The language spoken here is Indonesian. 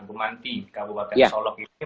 bumanti kabupaten solok ini